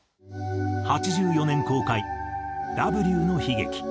８４年公開『Ｗの悲劇』。